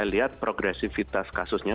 kalau saya lihat progresifitas kasusnya